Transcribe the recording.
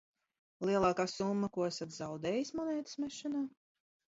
Lielākā summa, ko esat zaudējis monētas mešanā?